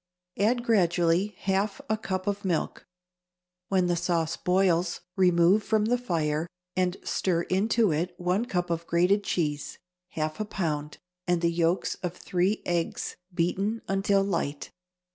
Add gradually half a cup of milk. When the sauce boils, remove from the fire and stir into it one cup of grated cheese (half a pound) and the yolks of three eggs, beaten until light.